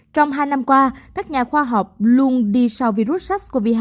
trong hai năm qua các nhà khoa học luôn đi sau virus sars cov hai